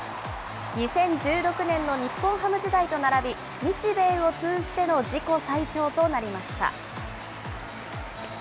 ２０１６年の日本ハム時代と並び、日米を通じての自己最長となりました。